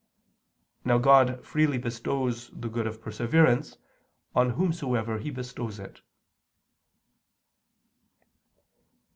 Now God freely bestows the good of perseverance, on whomsoever He bestows it.